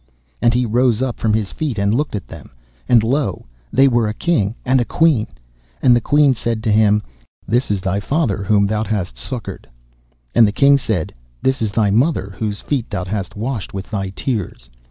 And he rose up from his feet, and looked at them, and lo! they were a King and a Queen. And the Queen said to him, 'This is thy father whom thou hast succoured.' And the King said, 'This is thy mother whose feet thou hast washed with thy tears.